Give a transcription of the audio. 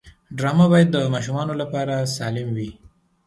ډرامه باید د ماشومانو لپاره سالم وي